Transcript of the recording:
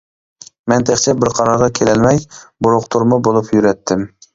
مەن تېخىچە بىر قارارغا كېلەلمەي، بۇرۇقتۇرما بولۇپ يۈرەتتىم.